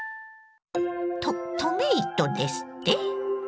トトメイトですって？